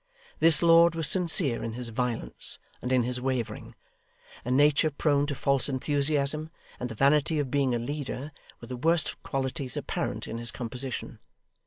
This lord was sincere in his violence and in his wavering. A nature prone to false enthusiasm, and the vanity of being a leader, were the worst qualities apparent in his composition.